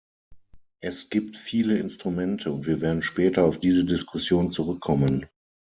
Es gibt viele Instrumente, und wir werden später auf diese Diskussion zurückkommen.